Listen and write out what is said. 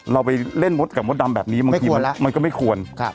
เราไปเล่นกับมดดำแบบนี้มันก็ไม่ควร